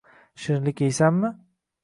“Shirinlik yeysanmi?”